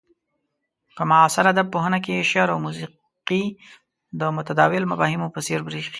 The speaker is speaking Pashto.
په معاصر ادب پوهنه کې شعر او موسيقي د متداول مفاهيمو په څير بريښي.